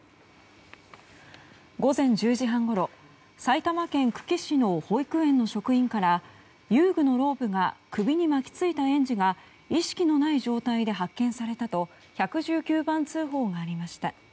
午前１０時半ごろ埼玉県久喜市の保育園の職員から遊具のロープが首に巻き付いた園児が意識のない状態で発見されたと１１９番通報がありました。